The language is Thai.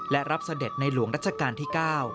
และรับเสด็จในหลวงรัชกาลที่๙